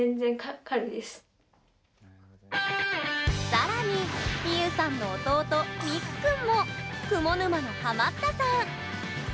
さらに、みゆさんの弟みく君も雲沼のハマったさん。